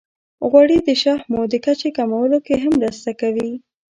غوړې د شحمو د کچې کمولو کې هم مرسته کوي.